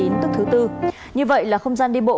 như vậy là không gian đi bộ